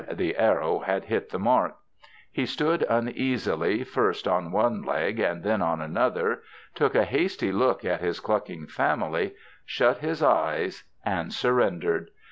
The arrow had hit the mark. He stood uneasily first on one leg and then on another, took a hasty look at his clucking family, shut his eyes and surrendered.